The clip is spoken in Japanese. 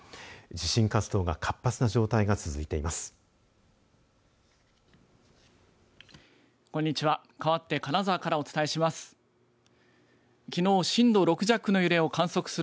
地震活動が活発な状態が続いています。